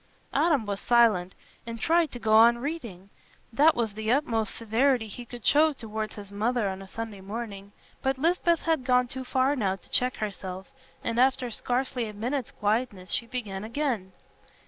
Adam was silent, and tried to go on reading. That was the utmost severity he could show towards his mother on a Sunday morning. But Lisbeth had gone too far now to check herself, and after scarcely a minute's quietness she began again.